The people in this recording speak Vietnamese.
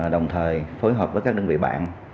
đồng thời phối hợp với các đơn vị bạn